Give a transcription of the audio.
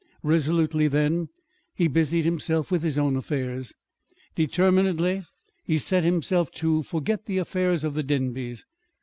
Resolutely then he busied himself with his own affairs. Determinedly he set himself to forget the affairs of the Denbys.